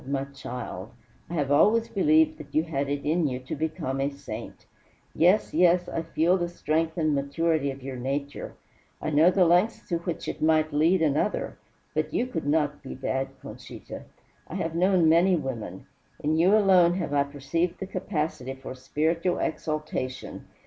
My child! I have always believed that you had it in you to become a saint. Yes, yes, I feel the strength and maturity of your nature, I know the lengths to which it might lead another; but you could not be bad, Conchita. I have known many women. In you alone have I perceived the capacity for spiritual exaltation.